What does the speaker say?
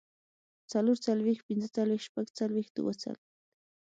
څلورڅلوېښت، پينځهڅلوېښت، شپږڅلوېښت، اووهڅلوېښت